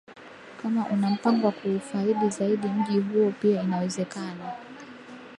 Kama una mpango wa kuufaidi zaidi mji huo pia inawezekana